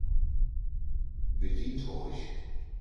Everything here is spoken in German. Bedient euch!